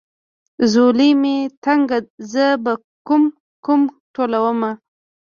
ځولۍ مې تنګه زه به کوم کوم ټولومه.